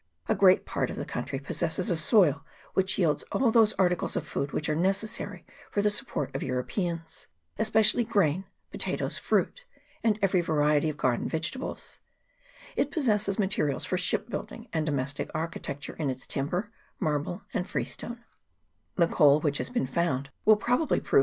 A great part of the country possesses a soil which yields all those articles of food which are necessary for the support of Europeans, especially grain, po tatoes, fruit, and every variety of garden vegetables ; it possesses materials for ship building and domestic architecture in its timber, marble, and freestone; the coal which has been found will probably prove B 2 4 GENERAL REMARKS. [CHAP. I.